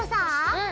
うん。